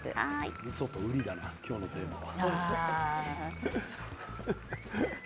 みそと、うりだな今日のテーマは。